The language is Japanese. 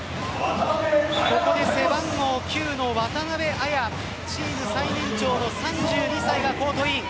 ここで背番号９の渡邊彩チーム最年長の３２歳がコートイン。